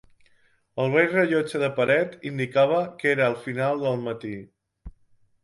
El vell rellotge de paret indicava que era el final del matí.